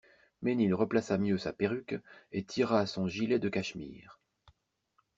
Mesnil replaça mieux sa perruque et tira son gilet de cachemire.